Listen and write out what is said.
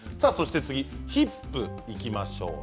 次、ヒップいきましょう。